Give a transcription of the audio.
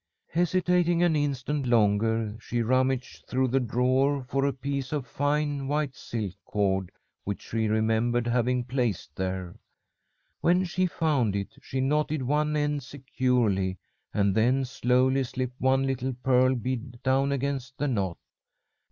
Hesitating an instant longer, she rummaged through the drawer for a piece of fine white silk cord which she remembered having placed there. When she found it, she knotted one end securely, and then slowly slipped one little pearl bead down against the knot.